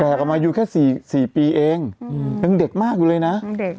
ออกมาอยู่แค่สี่สี่ปีเองอืมยังเด็กมากอยู่เลยนะยังเด็ก